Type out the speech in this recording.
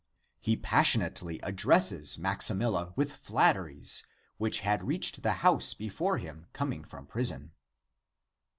He passionately addresses Maximilla with flatteries, which had reached the house before him coming from prison.